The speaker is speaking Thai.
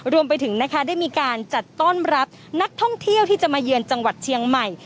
รวมไปถึงนะคะได้มีการจัดต้อนรับนักท่องเที่ยวที่จะมาเยือนจังหวัดเชียงใหม่